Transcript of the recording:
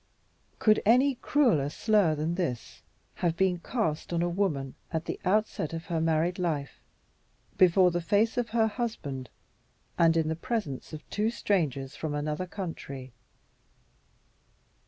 Could any crueler slur than this have been cast on a woman at the outs et of her married life, before the face of her husband, and in the presence of two strangers from another country?